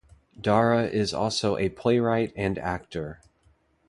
Dara is also a playwright and actor.